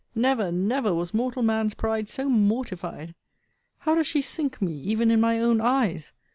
Never, never, was mortal man's pride so mortified! How does she sink me, even in my own eyes!